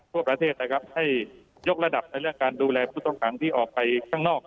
ทั่วประเทศนะครับให้ยกระดับในเรื่องการดูแลผู้ต้องขังที่ออกไปข้างนอก